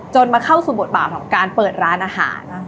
มาเข้าสู่บทบาทของการเปิดร้านอาหาร